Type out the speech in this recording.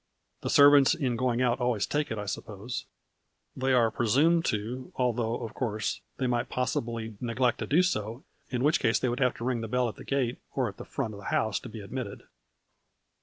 " The servants in going out always take it, I suppose ?"" They are presumed to, although, of course, they might possibly neglect to do so, in which case they would have to ring a bell at the gate or the front of the house to be admitted."